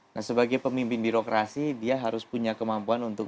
nah sebagai pemimpin birokrasi dia harus punya kemampuan untuk